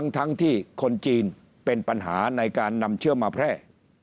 ทั้งที่คนจีนเป็นปัญหาในการนำเชื้อมาแพร่